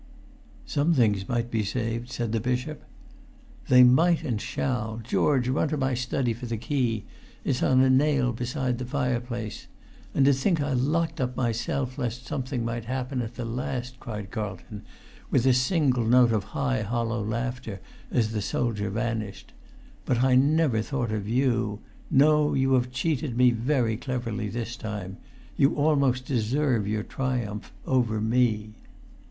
"Some things might be saved," said the bishop. "They might and shall! George, run to my study for the key; it's on a nail beside the fireplace. And to think I locked up myself lest something might happen at the last!" cried Carlton, with a single note of high hollow laughter, as the soldier vanished. "But I never thought of you! No, you have cheated me very cleverly this time. You almost deserve your triumph—over me!"